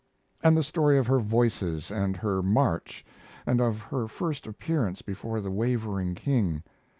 And the story of her voices, and her march, and of her first appearance before the wavering king.